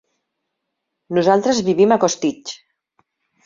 Nosaltres vivim a Costitx.